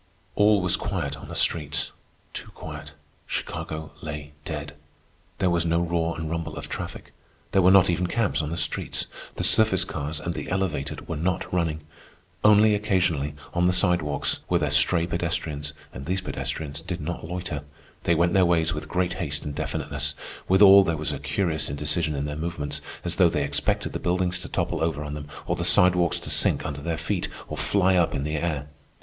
All was quiet on the streets—too quiet. Chicago lay dead. There was no roar and rumble of traffic. There were not even cabs on the streets. The surface cars and the elevated were not running. Only occasionally, on the sidewalks, were there stray pedestrians, and these pedestrians did not loiter. They went their ways with great haste and definiteness, withal there was a curious indecision in their movements, as though they expected the buildings to topple over on them or the sidewalks to sink under their feet or fly up in the air.